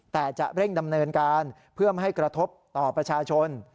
แต่จะเร่งดำเนินการเพื่อไม่ให้กระทบต่อประชาชน